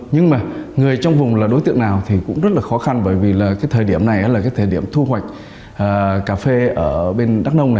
nhưng mà người trong vùng là đối tượng nào thì cũng rất là khó khăn bởi vì là cái thời điểm này là cái thời điểm thu hoạch cà phê ở bên đắk nông này